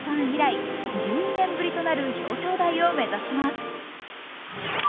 以来１２年ぶりとなる表彰台を目指します。